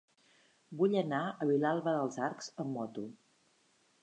Vull anar a Vilalba dels Arcs amb moto.